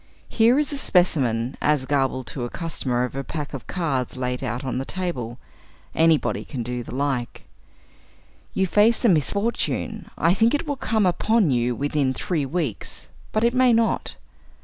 Here is a specimen, as gabbled to the customer over a pack of cards laid out on the table; anybody can do the like: "You face a misfortune. I think it will come upon you within three weeks, but it may not.